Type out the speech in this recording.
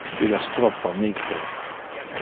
Il es troppo micre.